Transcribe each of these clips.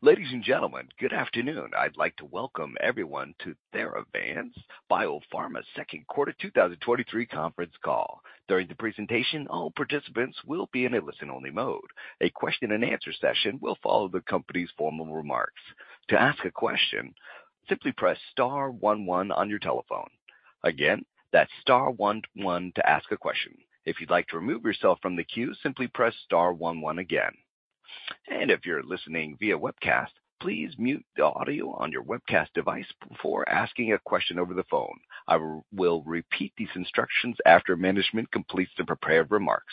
Ladies and gentlemen, good afternoon. I'd like to welcome everyone to Theravance Biopharma's second quarter 2023 conference call. During the presentation, all participants will be in a listen-only mode. A question-and-answer session will follow the company's formal remarks. To ask a question, simply press star one on your telephone. Again, that's star one to ask a question. If you'd like to remove yourself from the queue, simply press star one again. If you're listening via webcast, please mute the audio on your webcast device before asking a question over the phone. I will repeat these instructions after management completes the prepared remarks.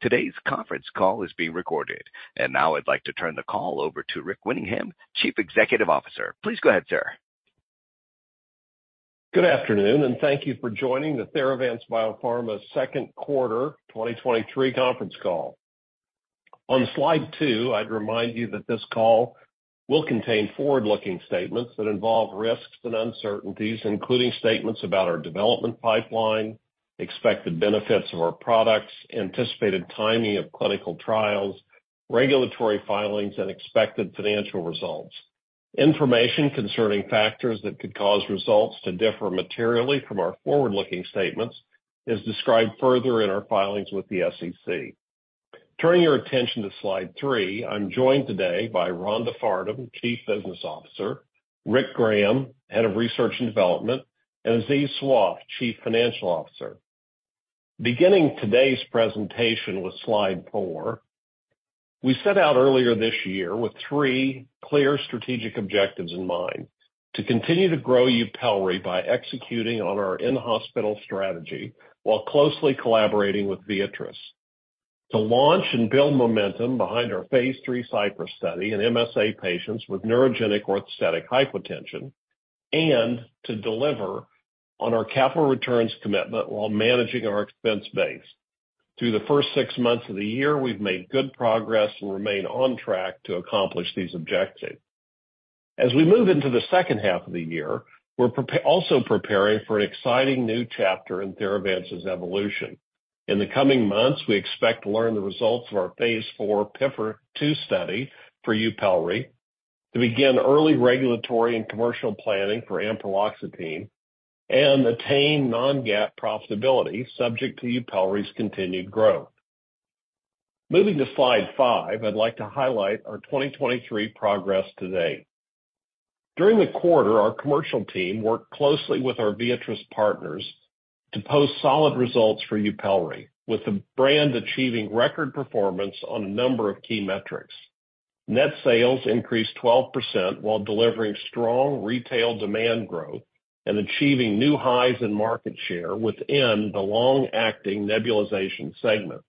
Today's conference call is being recorded. Now I'd like to turn the call over to Rick Winningham, Chief Executive Officer. Please go ahead, sir. Good afternoon, thank you for joining the Theravance Biopharma 2Q 2023 conference call. On slide 2, I'd remind you that this call will contain forward-looking statements that involve risks and uncertainties, including statements about our development pipeline, expected benefits of our products, anticipated timing of clinical trials, regulatory filings, and expected financial results. Information concerning factors that could cause results to differ materially from our forward-looking statements is described further in our filings with the SEC. Turning your attention to slide 3, I'm joined today by Rhonda Farnum, Chief Business Officer, Rick Graham, Head of Research and Development, and Aziz Sawaf, Chief Financial Officer. Beginning today's presentation with slide 4, we set out earlier this year with 3 clear strategic objectives in mind: to continue to grow YUPELRI by executing on our in-hospital strategy while closely collaborating with Viatris, to launch and build momentum behind our phase 3 CYPRESS study in MSA patients with neurogenic orthostatic hypotension, and to deliver on our capital returns commitment while managing our expense base. Through the first 6 months of the year, we've made good progress and remain on track to accomplish these objectives. As we move into the second half of the year, we're also preparing for an exciting new chapter in Theravance's evolution. In the coming months, we expect to learn the results of our phase 4 PIFR-2 study for YUPELRI, to begin early regulatory and commercial planning for ampreloxetine, attain non-GAAP profitability, subject to YUPELRI's continued growth. Moving to slide 5, I'd like to highlight our 2023 progress today. During the quarter, our commercial team worked closely with our Viatris partners to post solid results for YUPELRI, with the brand achieving record performance on a number of key metrics. Net sales increased 12% while delivering strong retail demand growth and achieving new highs in market share within the long-acting nebulization segment.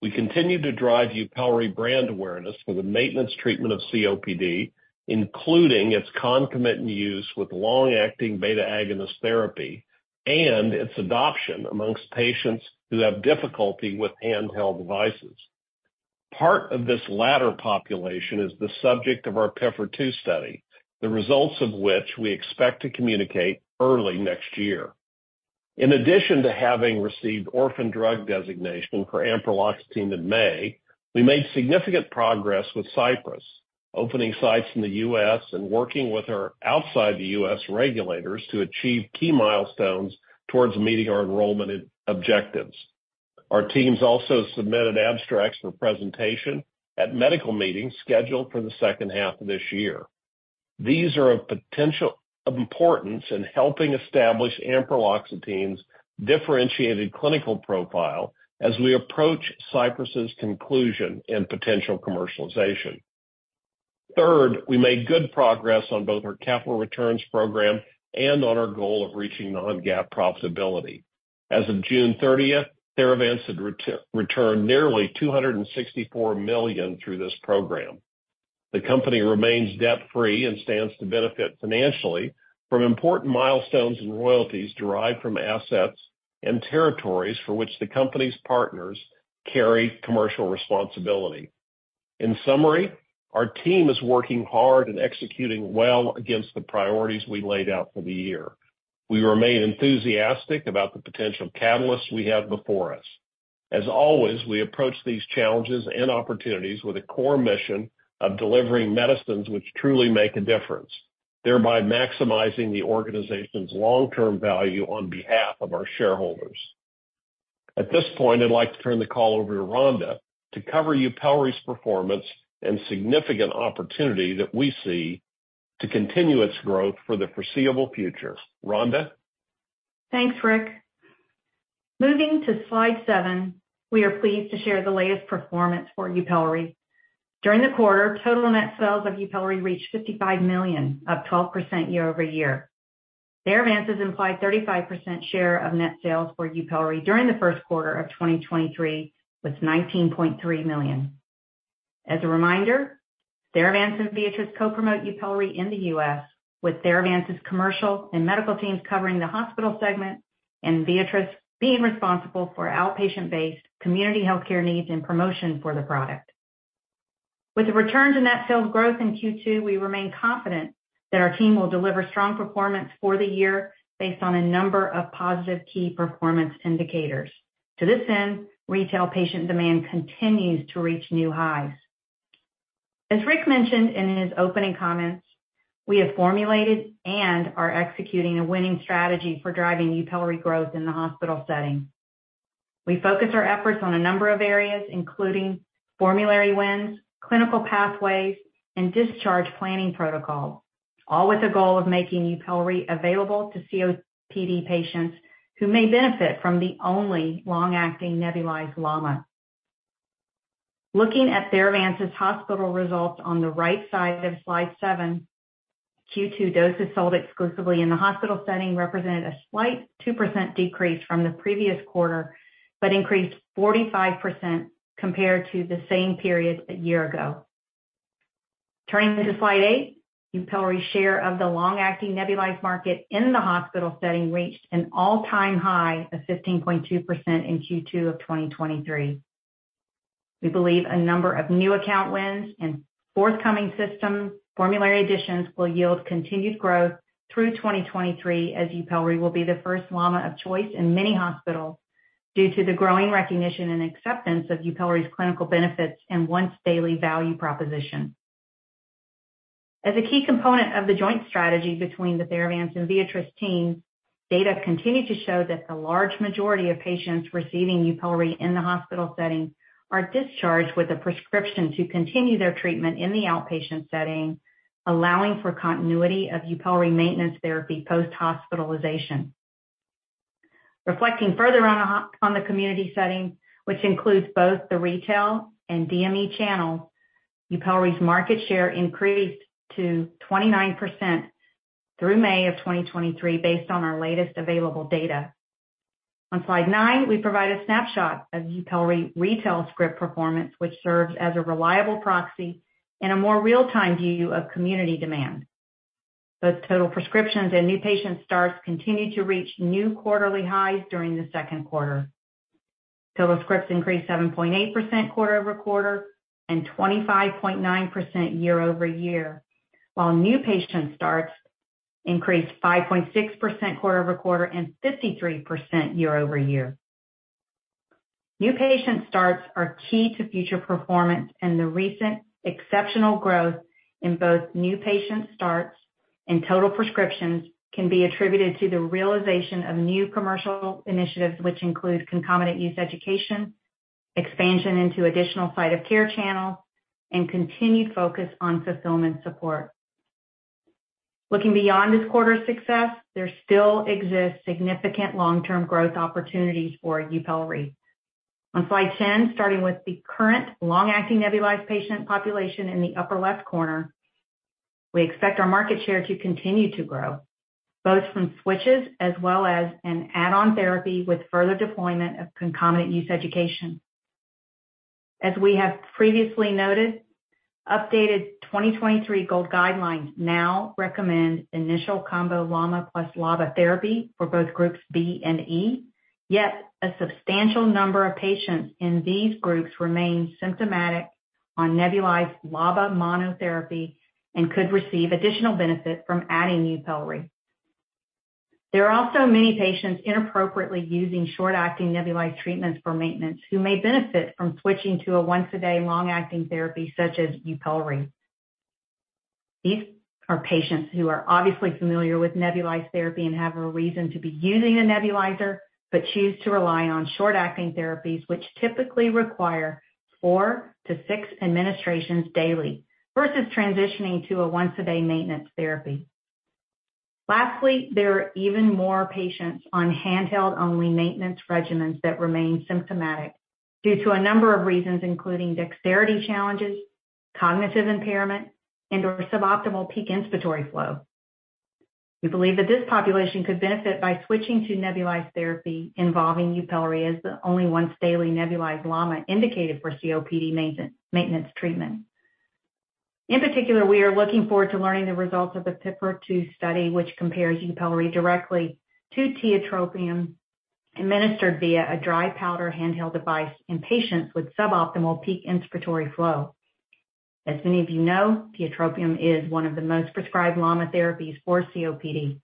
We continue to drive YUPELRI brand awareness for the maintenance treatment of COPD, including its concomitant use with long-acting beta-agonist therapy and its adoption amongst patients who have difficulty with handheld devices. Part of this latter population is the subject of our PIFR-2 study, the results of which we expect to communicate early next year. In addition to having received orphan drug designation for ampreloxetine in May, we made significant progress with CYPRESS, opening sites in the U.S. and working with our outside the U.S. regulators to achieve key milestones towards meeting our enrollment objectives. Our teams also submitted abstracts for presentation at medical meetings scheduled for the second half of this year. These are of importance in helping establish ampreloxetine's differentiated clinical profile as we approach CYPRESS's conclusion and potential commercialization. Third, we made good progress on both our capital returns program and on our goal of reaching non-GAAP profitability. As of June thirtieth, Theravance had returned nearly $264 million through this program. The company remains debt-free and stands to benefit financially from important milestones and royalties derived from assets and territories for which the company's partners carry commercial responsibility. In summary, our team is working hard and executing well against the priorities we laid out for the year. We remain enthusiastic about the potential catalysts we have before us. As always, we approach these challenges and opportunities with a core mission of delivering medicines which truly make a difference, thereby maximizing the organization's long-term value on behalf of our shareholders. At this point, I'd like to turn the call over to Rhonda to cover YUPELRI's performance and significant opportunity that we see to continue its growth for the foreseeable future. Rhonda? Thanks, Rick. Moving to slide 7, we are pleased to share the latest performance for YUPELRI. During the quarter, total net sales of YUPELRI reached $55 million, up 12% year-over-year. Theravance's implied 35% share of net sales for YUPELRI during the first quarter of 2023 was $19.3 million. As a reminder, Theravance and Viatris co-promote YUPELRI in the U.S., with Theravance's commercial and medical teams covering the hospital segment and Viatris being responsible for outpatient-based community healthcare needs and promotion for the product. With the return to net sales growth in Q2, we remain confident that our team will deliver strong performance for the year based on a number of positive key performance indicators. To this end, retail patient demand continues to reach new highs. As Rick mentioned in his opening comments, we have formulated and are executing a winning strategy for driving YUPELRI growth in the hospital setting. We focus our efforts on a number of areas, including formulary wins, clinical pathways, and discharge planning protocol, all with the goal of making YUPELRI available to COPD patients who may benefit from the only long-acting nebulized LAMA. Looking at Theravance's hospital results on the right side of Slide 7, Q2 doses sold exclusively in the hospital setting represented a slight 2% decrease from the previous quarter, increased 45% compared to the same period a year ago. Turning to Slide 8, YUPELRI's share of the long-acting nebulized market in the hospital setting reached an all-time high of 15.2% in Q2 of 2023. We believe a number of new account wins and forthcoming system formulary additions will yield continued growth through 2023, as YUPELRI will be the first LAMA of choice in many hospitals due to the growing recognition and acceptance of YUPELRI's clinical benefits and once-daily value proposition. As a key component of the joint strategy between the Theravance and Viatris teams, data continue to show that the large majority of patients receiving YUPELRI in the hospital setting are discharged with a prescription to continue their treatment in the outpatient setting, allowing for continuity of YUPELRI maintenance therapy post-hospitalization. Reflecting further on the community setting, which includes both the retail and DME channel, YUPELRI's market share increased to 29% through May of 2023, based on our latest available data. On Slide nine, we provide a snapshot of YUPELRI retail script performance, which serves as a reliable proxy and a more real-time view of community demand. Both total prescriptions and new patient starts continued to reach new quarterly highs during the second quarter. Total scripts increased 7.8% quarter-over-quarter and 25.9% year-over-year, while new patient starts increased 5.6% quarter-over-quarter and 53% year-over-year. New patient starts are key to future performance, and the recent exceptional growth in both new patient starts and total prescriptions can be attributed to the realization of new commercial initiatives, which include concomitant use education, expansion into additional site of care channels, and continued focus on fulfillment support. Looking beyond this quarter's success, there still exists significant long-term growth opportunities for YUPELRI. On Slide 10, starting with the current long-acting nebulized patient population in the upper left corner, we expect our market share to continue to grow, both from switches as well as an add-on therapy with further deployment of concomitant use education. As we have previously noted, updated 2023 GOLD guidelines now recommend initial combo LAMA plus LABA therapy for both Groups B and E. Yet, a substantial number of patients in these groups remain symptomatic on nebulized LABA monotherapy and could receive additional benefit from adding YUPELRI. There are also many patients inappropriately using short-acting nebulized treatments for maintenance, who may benefit from switching to a once-a-day long-acting therapy such as YUPELRI. These are patients who are obviously familiar with nebulized therapy and have a reason to be using a nebulizer, but choose to rely on short-acting therapies, which typically require four to six administrations daily versus transitioning to a once-a-day maintenance therapy. Lastly, there are even more patients on handheld-only maintenance regimens that remain symptomatic due to a number of reasons, including dexterity challenges, cognitive impairment, and/or suboptimal peak inspiratory flow. We believe that this population could benefit by switching to nebulized therapy involving YUPELRI as the only once-daily nebulized LAMA indicated for COPD maintenance treatment. In particular, we are looking forward to learning the results of the PIFR-2 study, which compares YUPELRI directly to tiotropium, administered via a dry powder handheld device in patients with suboptimal peak inspiratory flow. As many of you know, tiotropium is one of the most prescribed LAMA therapies for COPD.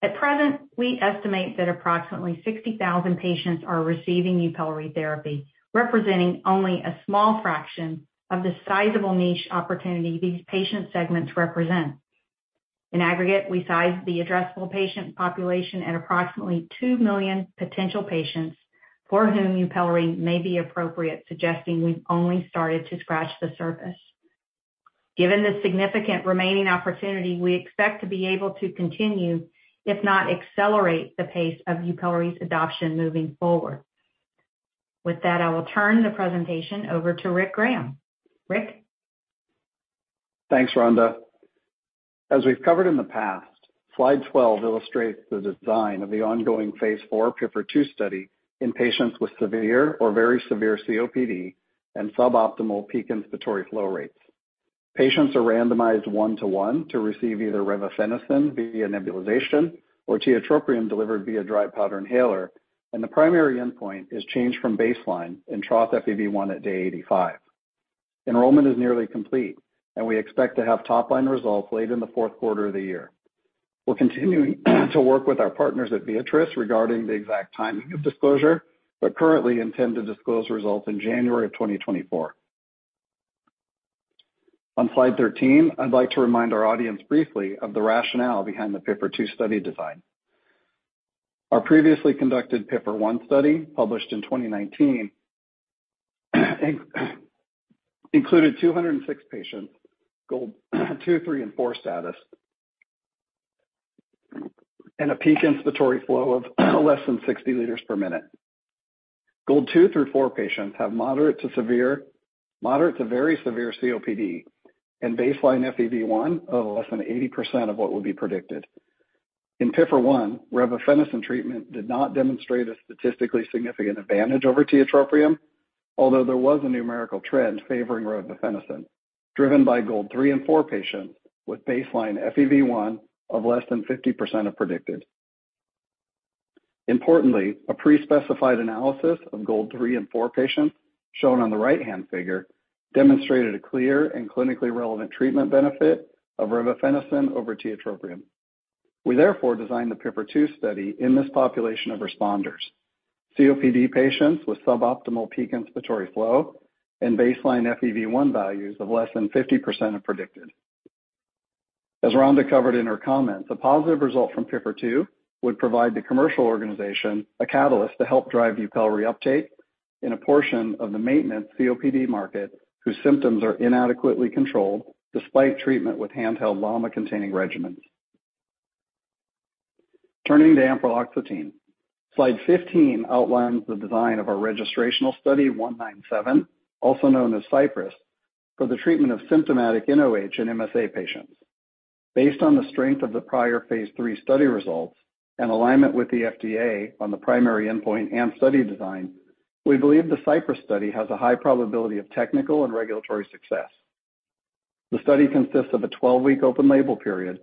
At present, we estimate that approximately 60,000 patients are receiving YUPELRI therapy, representing only a small fraction of the sizable niche opportunity these patient segments represent. In aggregate, we size the addressable patient population at approximately 2 million potential patients for whom YUPELRI may be appropriate, suggesting we've only started to scratch the surface. Given the significant remaining opportunity, we expect to be able to continue, if not accelerate, the pace of YUPELRI's adoption moving forward. With that, I will turn the presentation over to Rick Graham. Rick? Thanks, Rhonda. As we've covered in the past, Slide 12 illustrates the design of the ongoing phase IV PIFR-2 study in patients with severe or very severe COPD and suboptimal peak inspiratory flow rates. Patients are randomized 1 to 1 to receive either revefenacin via nebulization or tiotropium delivered via dry powder inhaler. The primary endpoint is changed from baseline in trough FEV1 at day 85. Enrollment is nearly complete, and we expect to have top-line results late in the fourth quarter of the year. We're continuing to work with our partners at Viatris regarding the exact timing of disclosure, but currently intend to disclose results in January of 2024. On Slide 13, I'd like to remind our audience briefly of the rationale behind the PIFR-2 study design. Our previously conducted PIFR-1 study, published in 2019, included 206 patients, GOLD 2, 3, and 4 status, and a peak inspiratory flow of less than 60 liters per minute. GOLD 2 through 4 patients have moderate to very severe COPD and baseline FEV1 of less than 80% of what would be predicted. In PIFR-1, revefenacin treatment did not demonstrate a statistically significant advantage over tiotropium, although there was a numerical trend favoring revefenacin, driven by GOLD 3 and 4 patients with baseline FEV1 of less than 50% of predicted. Importantly, a pre-specified analysis of GOLD 3 and 4 patients, shown on the right-hand figure, demonstrated a clear and clinically relevant treatment benefit of revefenacin over tiotropium. We therefore designed the PIFR-2 study in this population of responders. COPD patients with suboptimal peak inspiratory flow and baseline FEV1 values of less than 50% of predicted. As Rhonda covered in her comments, a positive result from PIFR-2 would provide the commercial organization a catalyst to help drive YUPELRI uptake in a portion of the maintenance COPD market, whose symptoms are inadequately controlled despite treatment with handheld LAMA-containing regimens. Turning to ampreloxetine. Slide 15 outlines the design of our registrational Study 0197, also known as CYPRESS, for the treatment of symptomatic nOH in MSA patients. Based on the strength of the prior Phase 3 study results and alignment with the FDA on the primary endpoint and study design, we believe the CYPRESS study has a high probability of technical and regulatory success. The study consists of a 12-week open-label period,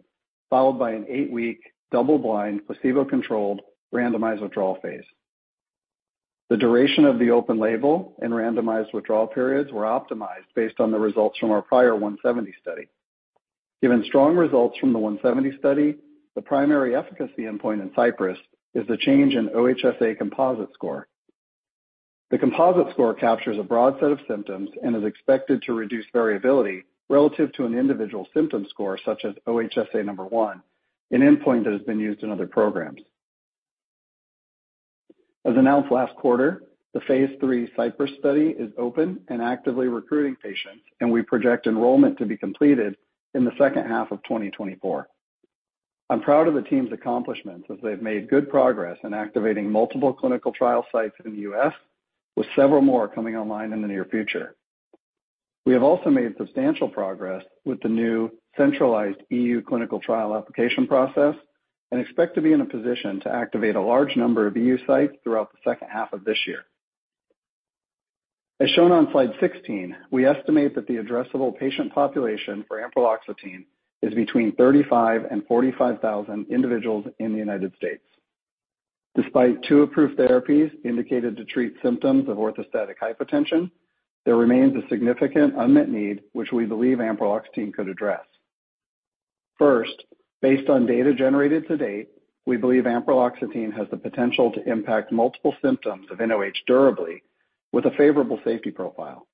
followed by an 8-week, double-blind, placebo-controlled, randomized withdrawal phase. The duration of the open-label and randomized withdrawal periods were optimized based on the results from our prior Study 0170. Given strong results from the Study 0170, the primary efficacy endpoint in CYPRESS is the change in OHSA composite score. The composite score captures a broad set of symptoms and is expected to reduce variability relative to an individual symptom score, such as OHSA #1, an endpoint that has been used in other programs. As announced last quarter, the Phase 3 CYPRESS study is open and actively recruiting patients, and we project enrollment to be completed in the second half of 2024. I'm proud of the team's accomplishments as they've made good progress in activating multiple clinical trial sites in the U.S., with several more coming online in the near future. We have also made substantial progress with the new centralized EU clinical trial application process and expect to be in a position to activate a large number of EU sites throughout the second half of this year. As shown on slide 16, we estimate that the addressable patient population for ampreloxetine is between 35,000 and 45,000 individuals in the United States. Despite two approved therapies indicated to treat symptoms of orthostatic hypotension, there remains a significant unmet need, which we believe ampreloxetine could address. First, based on data generated to date, we believe ampreloxetine has the potential to impact multiple symptoms of nOH durably with a favorable safety profile.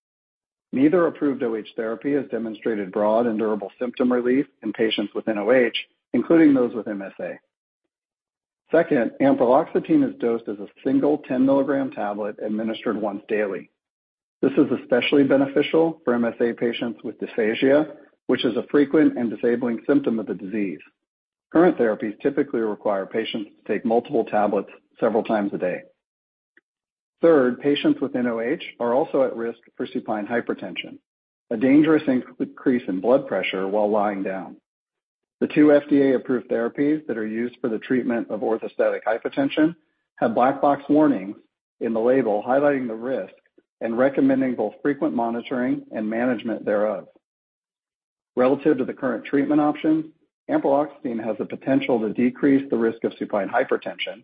Neither approved OH therapy has demonstrated broad and durable symptom relief in patients with nOH, including those with MSA. Second, ampreloxetine is dosed as a single 10-milligram tablet administered once daily. This is especially beneficial for MSA patients with dysphagia, which is a frequent and disabling symptom of the disease. Current therapies typically require patients to take multiple tablets several times a day. Third, patients with nOH are also at risk for supine hypertension, a dangerous increase in blood pressure while lying down. The two FDA-approved therapies that are used for the treatment of orthostatic hypotension have black box warnings in the label highlighting the risk and recommending both frequent monitoring and management thereof. Relative to the current treatment option, ampreloxetine has the potential to decrease the risk of supine hypertension.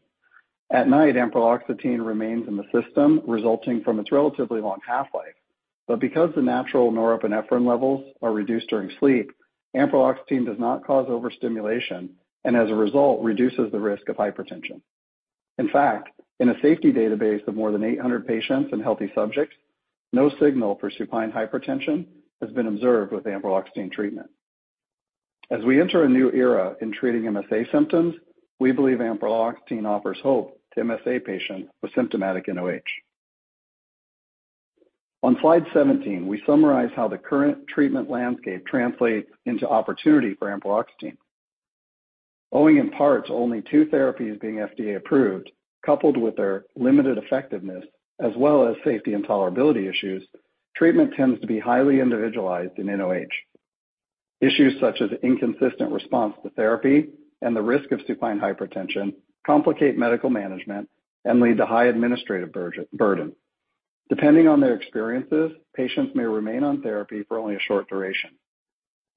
At night, ampreloxetine remains in the system, resulting from its relatively long half-life. Because the natural norepinephrine levels are reduced during sleep, ampreloxetine does not cause overstimulation and as a result, reduces the risk of hypertension. In fact, in a safety database of more than 800 patients and healthy subjects, no signal for supine hypertension has been observed with ampreloxetine treatment. As we enter a new era in treating MSA symptoms, we believe ampreloxetine offers hope to MSA patients with symptomatic nOH. On slide 17, we summarize how the current treatment landscape translates into opportunity for ampreloxetine. Owing in part to only two therapies being FDA approved, coupled with their limited effectiveness as well as safety and tolerability issues, treatment tends to be highly individualized in nOH. Issues such as inconsistent response to therapy and the risk of supine hypertension complicate medical management and lead to high administrative burden. Depending on their experiences, patients may remain on therapy for only a short duration.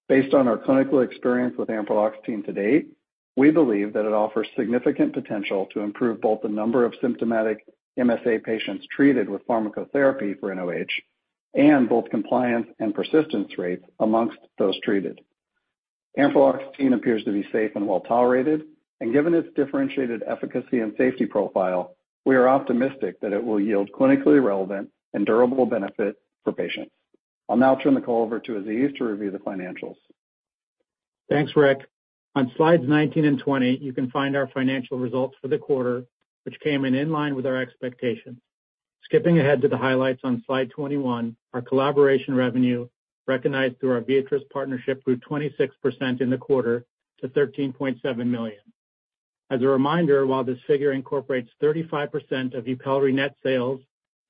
Based on our clinical experience with ampreloxetine to date, we believe that it offers significant potential to improve both the number of symptomatic MSA patients treated with pharmacotherapy for nOH, and both compliance and persistence rates amongst those treated. Ampreloxetine appears to be safe and well tolerated. Given its differentiated efficacy and safety profile, we are optimistic that it will yield clinically relevant and durable benefit for patients. I'll now turn the call over to Aziz to review the financials. Thanks, Rick. On slides 19 and 20, you can find our financial results for the quarter, which came in line with our expectations. Skipping ahead to the highlights on slide 21, our collaboration revenue, recognized through our Viatris partnership, grew 26% in the quarter to $13.7 million. As a reminder, while this figure incorporates 35% of YUPELRI net sales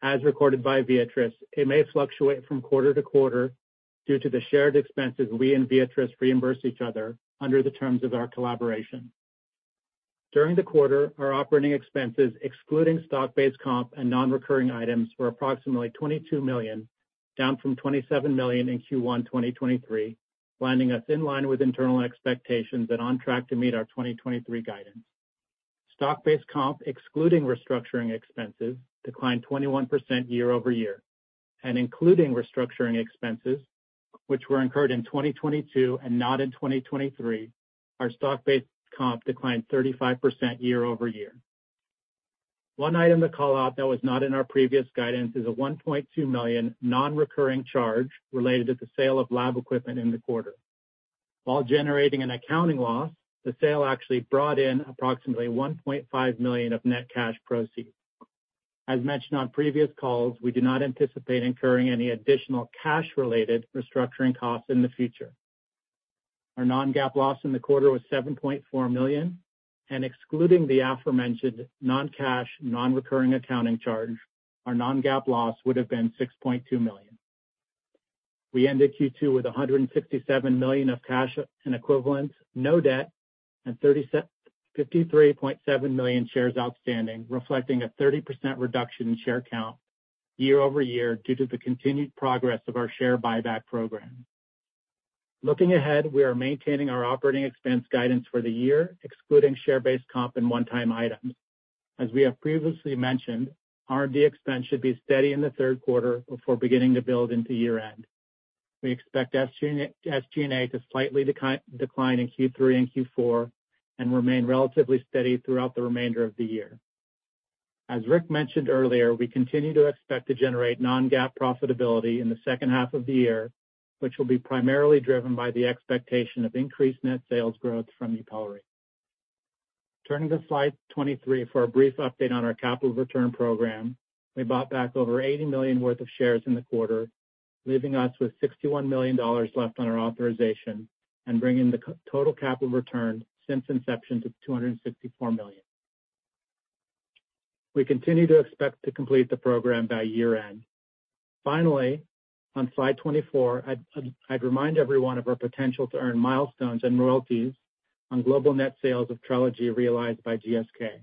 as recorded by Viatris, it may fluctuate from quarter to quarter due to the shared expenses we and Viatris reimburse each other under the terms of our collaboration. During the quarter, our operating expenses, excluding stock-based comp and non-recurring items, were approximately $22 million, down from $27 million in Q1 2023, landing us in line with internal expectations and on track to meet our 2023 guidance. Stock-based comp, excluding restructuring expenses, declined 21% year over year, and including restructuring expenses, which were incurred in 2022 and not in 2023, our stock-based comp declined 35% year over year. One item to call out that was not in our previous guidance is a $1.2 million non-recurring charge related to the sale of lab equipment in the quarter. While generating an accounting loss, the sale actually brought in approximately $1.5 million of net cash proceeds. As mentioned on previous calls, we do not anticipate incurring any additional cash-related restructuring costs in the future. Our non-GAAP loss in the quarter was $7.4 million, and excluding the aforementioned non-cash, non-recurring accounting charge, our non-GAAP loss would have been $6.2 million. We ended Q2 with $167 million of cash and equivalents, no debt, and 53.7 million shares outstanding, reflecting a 30% reduction in share count year-over-year due to the continued progress of our share buyback program. Looking ahead, we are maintaining our operating expense guidance for the year, excluding share-based comp and one-time items. As we have previously mentioned, R&D expense should be steady in the third quarter before beginning to build into year-end. We expect SG&A to slightly decline in Q3 and Q4 and remain relatively steady throughout the remainder of the year. As Rick mentioned earlier, we continue to expect to generate non-GAAP profitability in the second half of the year, which will be primarily driven by the expectation of increased net sales growth from YUPELRI. Turning to slide 23 for a brief update on our capital return program. We bought back over $80 million worth of shares in the quarter, leaving us with $61 million left on our authorization and bringing the total capital return since inception to $264 million. We continue to expect to complete the program by year-end. Finally, on slide 24, I'd remind everyone of our potential to earn milestones and royalties on global net sales of Trelegy realized by GSK.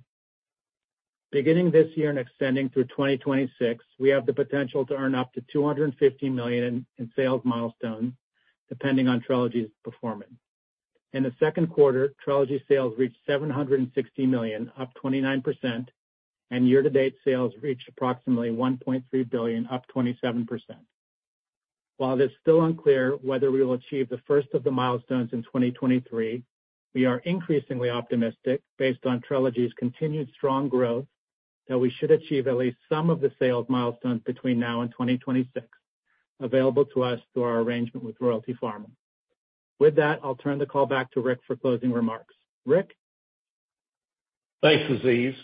Beginning this year and extending through 2026, we have the potential to earn up to $250 million in sales milestones, depending on Trelegy's performance. In the second quarter, Trelegy sales reached $760 million, up 29%, and year-to-date sales reached approximately $1.3 billion, up 27%. While it's still unclear whether we will achieve the first of the milestones in 2023, we are increasingly optimistic, based on Trelegy's continued strong growth, that we should achieve at least some of the sales milestones between now and 2026, available to us through our arrangement with Royalty Pharma. With that, I'll turn the call back to Rick for closing remarks. Rick? Thanks, Aziz.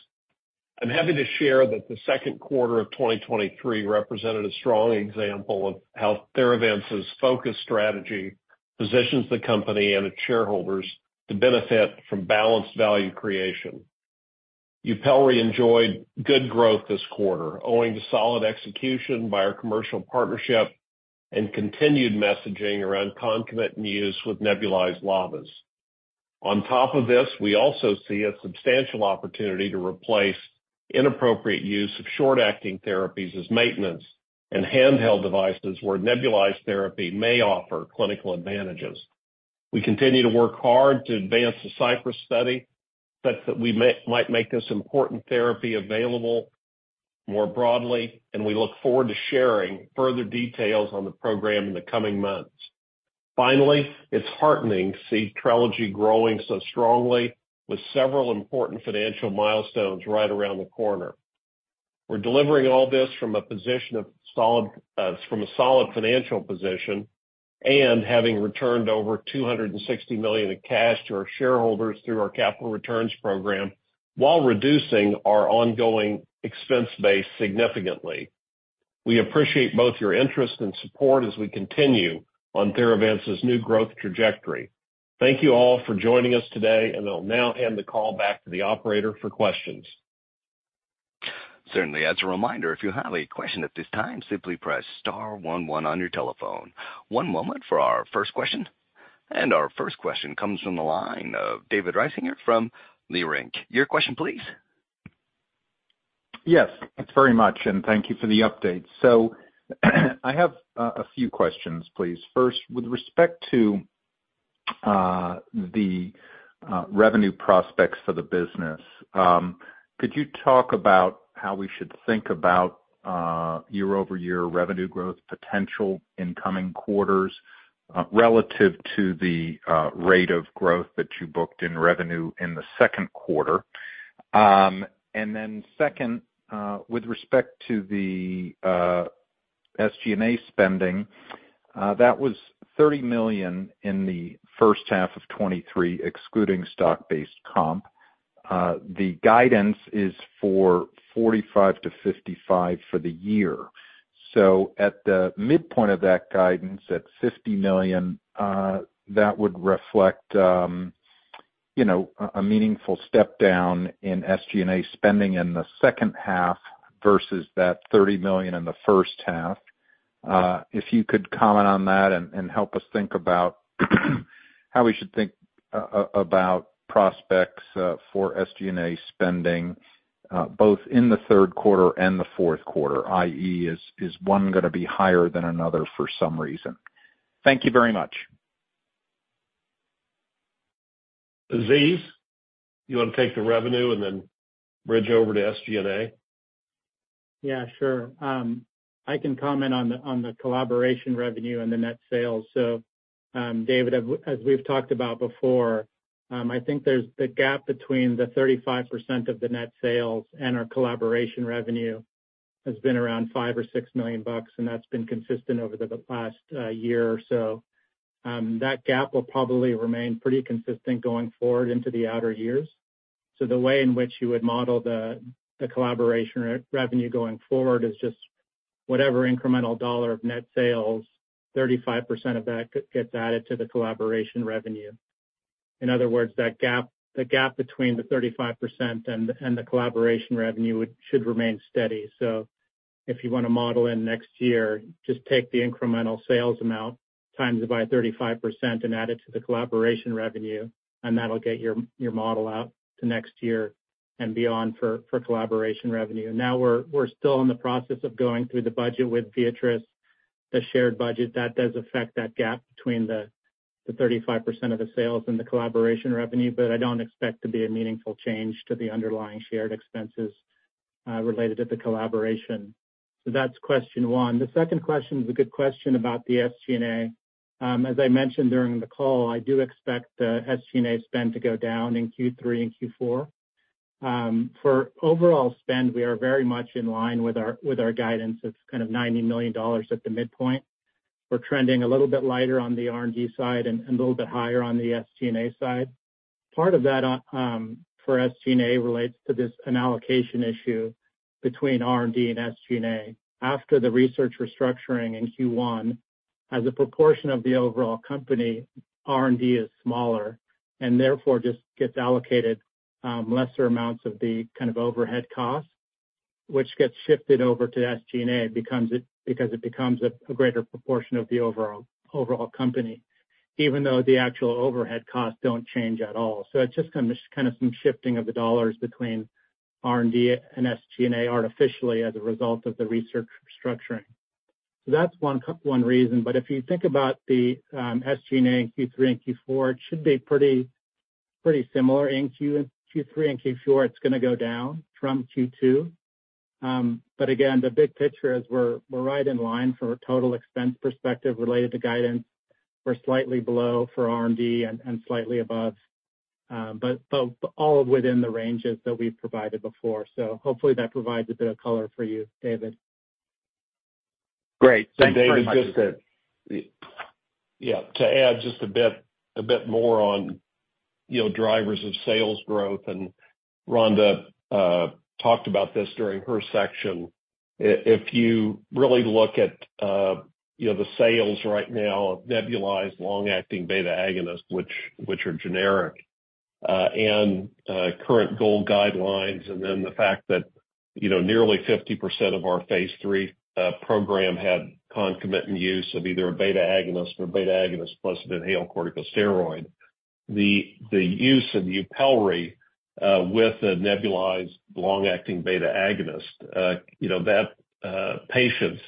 I'm happy to share that the second quarter of 2023 represented a strong example of how Theravance's focused strategy positions the company and its shareholders to benefit from balanced value creation. YUPELRI enjoyed good growth this quarter, owing to solid execution by our commercial partnership and continued messaging around concomitant use with nebulized LABAs. On top of this, we also see a substantial opportunity to replace inappropriate use of short-acting therapies as maintenance and handheld devices where nebulized therapy may offer clinical advantages. We continue to work hard to advance the CYPRESS study, that we might make this important therapy available more broadly, and we look forward to sharing further details on the program in the coming months. Finally, it's heartening to see Trelegy growing so strongly with several important financial milestones right around the corner. We're delivering all this from a position of solid, from a solid financial position and having returned over $260 million in cash to our shareholders through our capital returns program while reducing our ongoing expense base significantly. We appreciate both your interest and support as we continue on Theravance's new growth trajectory. Thank you all for joining us today, and I'll now hand the call back to the operator for questions. Certainly. As a reminder, if you have a question at this time, simply press star 11 on your telephone. One moment for our first question. Our first question comes from the line of David Risinger from Leerink Partners. Your question, please? Yes, thanks very much, and thank you for the update. I have a few questions, please. First, with respect to the revenue prospects for the business, could you talk about how we should think about year-over-year revenue growth potential in coming quarters, relative to the rate of growth that you booked in revenue in the second quarter? Second, with respect to the SG&A spending, that was $30 million in the first half of 2023, excluding stock-based comp. The guidance is for $45 million-$55 million for the year. At the midpoint of that guidance, at $50 million, that would reflect, you know, a meaningful step down in SG&A spending in the second half versus that $30 million in the first half. If you could comment on that and help us think about how we should think about prospects for SG&A spending both in the third quarter and the fourth quarter, is one gonna be higher than another for some reason? Thank you very much. Aziz Sawaf, you wanna take the revenue and then bridge over to SG&A? Yeah, sure. I can comment on the collaboration revenue and the net sales. David, as we've talked about before, I think there's the gap between the 35% of the net sales and our collaboration revenue has been around $5 million or $6 million, and that's been consistent over the past year or so. That gap will probably remain pretty consistent going forward into the outer years. The way in which you would model the collaboration revenue going forward is just whatever incremental dollar of net sales, 35% of that gets added to the collaboration revenue. In other words, that gap, the gap between the 35% and the collaboration revenue should remain steady. If you wanna model in next year, just take the incremental sales amount, times it by 35% and add it to the collaboration revenue, and that'll get your, your model out to next year and beyond for, for collaboration revenue. Now, we're, we're still in the process of going through the budget with Viatris, the shared budget. That does affect that gap between the, the 35% of the sales and the collaboration revenue, but I don't expect it to be a meaningful change to the underlying shared expenses related to the collaboration. That's question 1. The 2nd question is a good question about the SG&A. As I mentioned during the call, I do expect the SG&A spend to go down in Q3 and Q4. For overall spend, we are very much in line with our, with our guidance. It's kind of $90 million at the midpoint. We're trending a little bit lighter on the R&D side and a little bit higher on the SG&A side. Part of that for SG&A relates to this an allocation issue between R&D and SG&A. After the research restructuring in Q1, as a proportion of the overall company, R&D is smaller, and therefore, just gets allocated lesser amounts of the kind of overhead costs, which gets shifted over to SG&A, because it becomes a greater proportion of the overall company, even though the actual overhead costs don't change at all. It's just kind of some shifting of the dollars between R&D and SG&A artificially as a result of the research restructuring. That's one reason, but if you think about the SG&A in Q3 and Q4, it should be pretty, pretty similar. In Q3 and Q4, it's gonna go down from Q2. Again, the big picture is we're, we're right in line for a total expense perspective related to guidance. We're slightly below for R&D and, and slightly above, but, but all within the ranges that we've provided before. Hopefully that provides a bit of color for you, David. Great. Thanks very much. David, just to add just a bit, a bit more on, you know, drivers of sales growth. Rhonda talked about this during her section. If you really look at, you know, the sales right now, nebulized long-acting beta-agonist, which, which are generic, and current GOLD guidelines, and then the fact that, you know, nearly 50% of our Phase 3 program had concomitant use of either a beta agonist or beta agonist plus an inhaled corticosteroid. The use of YUPELRI with a nebulized long-acting beta-agonist, you know, that patients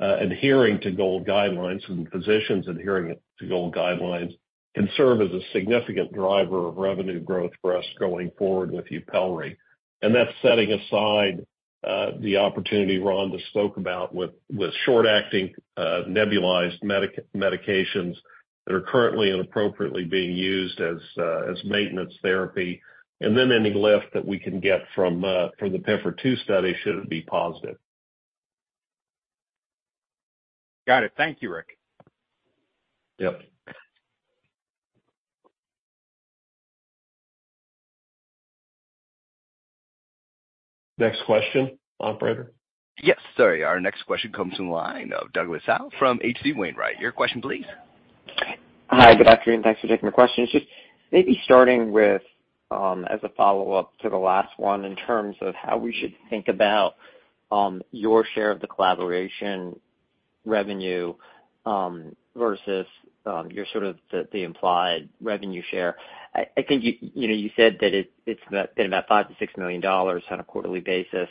adhering to GOLD guidelines and physicians adhering to GOLD guidelines can serve as a significant driver of revenue growth for us going forward with YUPELRI. That's setting aside the opportunity Rhonda spoke about with short-acting nebulized medications that are currently and appropriately being used as maintenance therapy, and then any lift that we can get from the PIFR-2 study should it be positive. Got it. Thank you, Rick. Yep. Next question, operator? Yes. Sorry, our next question comes from the line of Douglas Tsao from H.C. Wainwright. Your question please. Hi, good afternoon, thanks for taking my question. Just maybe starting with, as a follow-up to the last one, in terms of how we should think about...... your share of the collaboration revenue versus your sort of the implied revenue share. I think you know, you said that it's been about $5 million-$6 million on a quarterly basis.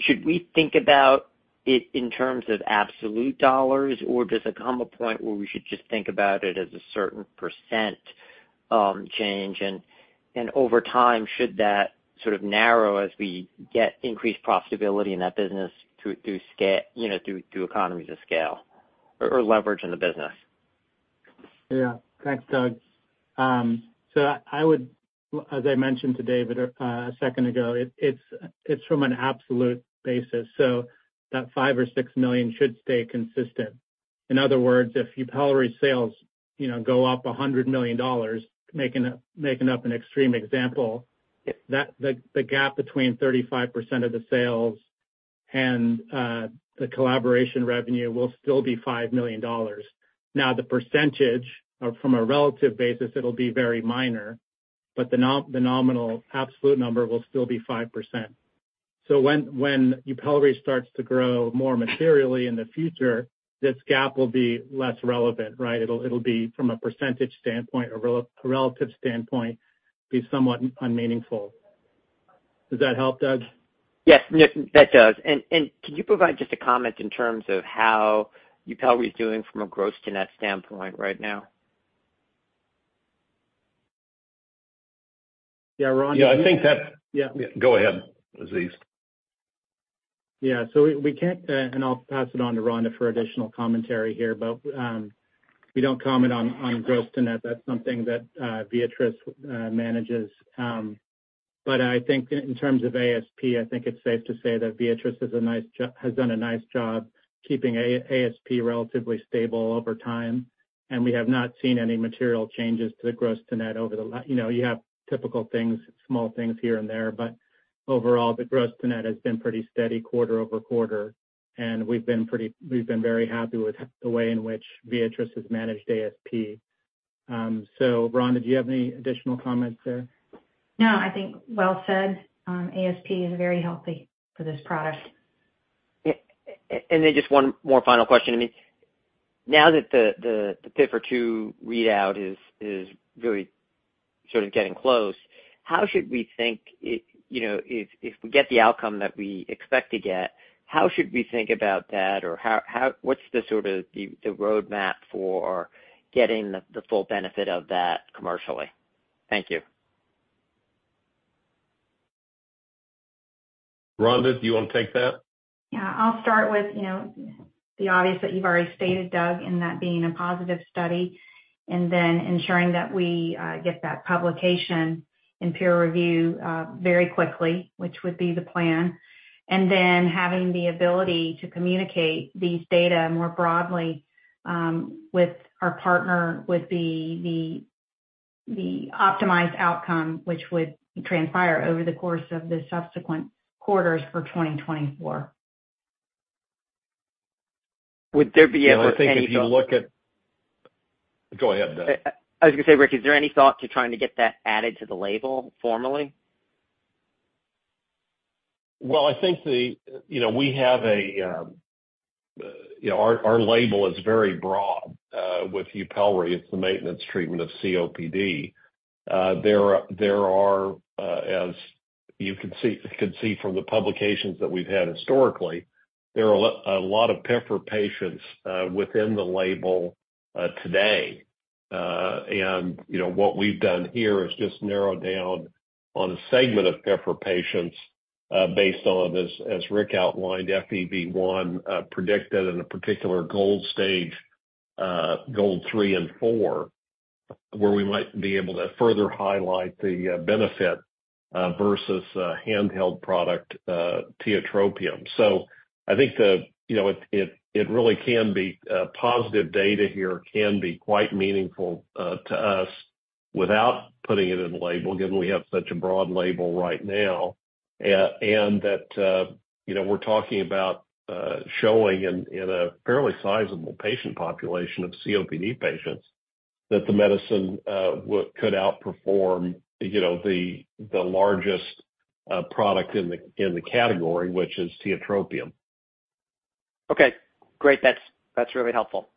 Should we think about it in terms of absolute dollars, or does it come a point where we should just think about it as a certain % change? Over time, should that sort of narrow as we get increased profitability in that business through scale, you know, through economies of scale or leverage in the business? Yeah. Thanks, Doug. I would, as I mentioned to David, a second ago, it's from an absolute basis, so that $5 million or $6 million should stay consistent. In other words, if YUPELRI sales, you know, go up $100 million, making up, making up an extreme example... Yes... that the, the gap between 35% of the sales and the collaboration revenue will still be $5 million. Now, the percentage or from a relative basis, it'll be very minor, but the nominal absolute number will still be 5%. When YUPELRI starts to grow more materially in the future, this gap will be less relevant, right? It'll, it'll be, from a percentage standpoint, a relative standpoint, be somewhat unmeaningful. Does that help, Doug? Yes, yes, that does. Can you provide just a comment in terms of how YUPELRI is doing from a gross to net standpoint right now? Yeah, Rhonda- Yeah, I think that- Yeah. Go ahead, Aziz. Yeah. We, we can't, and I'll pass it on to Rhonda for additional commentary here. We don't comment on, on gross to net. That's something that Viatris manages. I think in terms of ASP, I think it's safe to say that Viatris has done a nice job keeping ASP relatively stable over time, and we have not seen any material changes to the gross to net over the You know, you have typical things, small things here and there, but overall, the gross to net has been pretty steady quarter-over-quarter, and we've been very happy with the way in which Viatris has managed ASP. Rhonda, do you have any additional comments there? No, I think well said. ASP is very healthy for this product. Yeah. Just one more final question to me. Now that the PIFR-2 readout is, is really sort of getting close, how should we think, you know, if we get the outcome that we expect to get, how should we think about that? What's the sort of the roadmap for getting the full benefit of that commercially? Thank you. Rhonda, do you want to take that? Yeah, I'll start with, you know, the obvious that you've already stated, Doug, and that being a positive study, and then ensuring that we get that publication in peer review very quickly, which would be the plan. Then having the ability to communicate these data more broadly with our partner would be the optimized outcome, which would transpire over the course of the subsequent quarters for 2024. Would there be any thought- I think if you look at... Go ahead, Doug. I was gonna say, Rick, is there any thought to trying to get that added to the label formally? Well, I think the, you know, we have a, you know, our, our label is very broad with YUPELRI. It's the maintenance treatment of COPD. There are, there are, as you can see, can see from the publications that we've had historically, there are a lot of PIFR patients within the label today. And, you know, what we've done here is just narrowed down on a segment of PIFR patients based on, as, as Rick outlined, FEV1 predicted in a particular GOLD stage, GOLD 3 and 4, where we might be able to further highlight the benefit versus a handheld product, tiotropium. I think the, you know, it, it, it really can be, positive data here can be quite meaningful, to us without putting it in the label, given we have such a broad label right now. And that, you know, we're talking about, showing in, in a fairly sizable patient population of COPD patients, that the medicine could outperform, you know, the, the largest, product in the, in the category, which is tiotropium. Okay, great! That's, that's really helpful.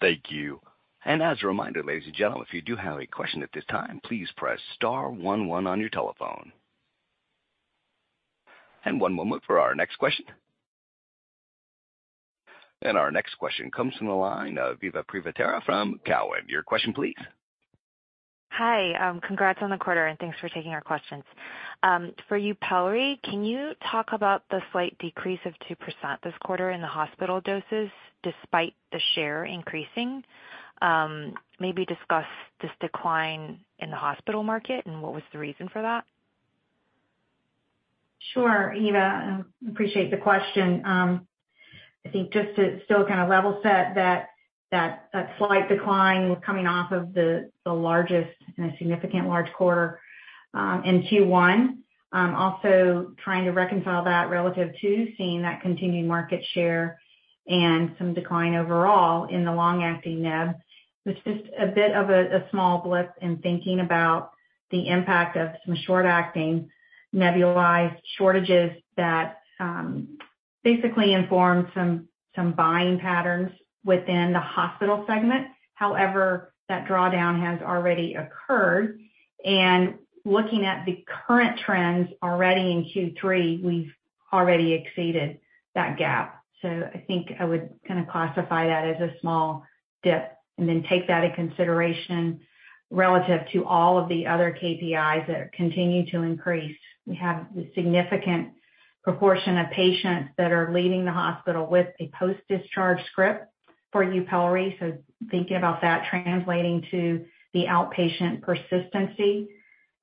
Thank you. As a reminder, ladies and gentlemen, if you do have a question at this time, please press star 11 on your telephone. One moment for our next question. Our next question comes from the line of Eva Privitera from Cowen. Your question please. Hi, congrats on the quarter, and thanks for taking our questions. For YUPELRI, can you talk about the slight decrease of 2% this quarter in the hospital doses, despite the share increasing? Maybe discuss this decline in the hospital market and what was the reason for that. Sure, Eva, I appreciate the question. I think just to still kind of level set that, that, that slight decline coming off of the, the largest in a significant large quarter, in Q1. Also trying to reconcile that relative to seeing that continued market share and some decline overall in the long-acting neb, was just a bit of a, a small blip in thinking about the impact of some short-acting nebulized shortages that basically informed some, some buying patterns within the hospital segment. That drawdown has already occurred, and looking at the current trends already in Q3, we've already exceeded that gap. I think I would kind of classify that as a small dip and then take that in consideration relative to all of the other KPIs that continue to increase. We have a significant proportion of patients that are leaving the hospital with a post-discharge script for YUPELRI. Thinking about that translating to the outpatient persistency,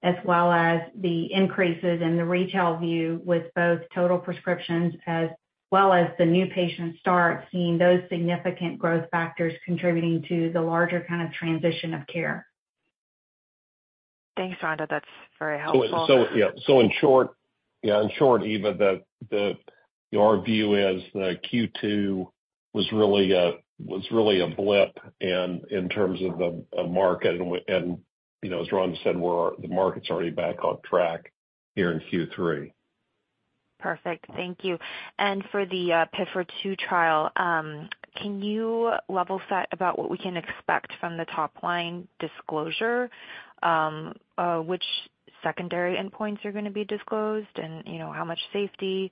as well as the increases in the retail view with both total prescriptions as well as the new patient start, seeing those significant growth factors contributing to the larger kind of transition of care. Thanks, Rhonda. That's very helpful. Yeah, so in short, yeah, in short, Eva, our view is that Q2 was really a blip and in terms of the market. And, you know, as Rhonda said, we're, the market's already back on track here in Q3. Perfect. Thank you. For the PIFR-2 trial, can you level set about what we can expect from the top line disclosure? Which secondary endpoints are going to be disclosed, and, you know, how much safety?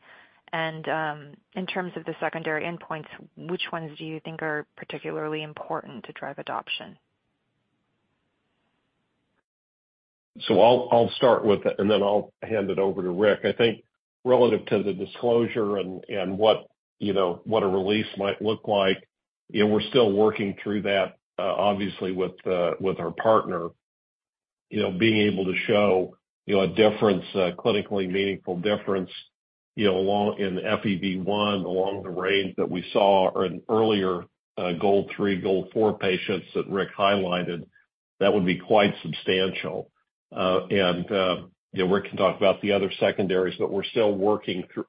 In terms of the secondary endpoints, which ones do you think are particularly important to drive adoption? I'll, I'll start with it, and then I'll hand it over to Rick. I think relative to the disclosure and, and what, you know, what a release might look like, you know, we're still working through that, obviously, with, with our partner. You know, being able to show, you know, a difference, a clinically meaningful difference, you know, along in FEV1, along the range that we saw in earlier, GOLD 3, GOLD 4 patients that Rick highlighted, that would be quite substantial. And, you know, Rick can talk about the other secondaries, but we're still working through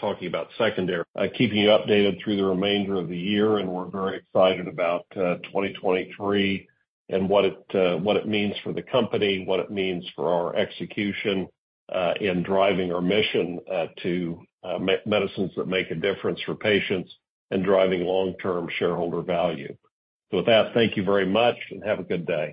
talking about secondary. Keep you updated through the remainder of the year, and we're very excited about 2023 and what it, what it means for the company, what it means for our execution, in driving our mission, to medicines that make a difference for patients and driving long-term shareholder value. With that, thank you very much and have a good day.